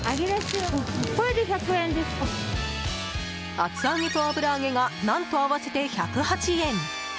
厚揚げと油揚げが何と合わせて１０８円。